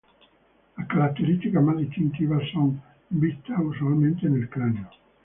Las características más distintivas son vistas usualmente en el cráneo.